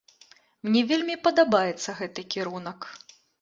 Мне вельмі падабаецца гэты кірунак.